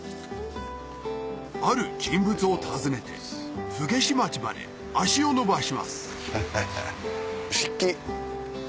ある人物を訪ねて鳳至町まで足を延ばします漆器。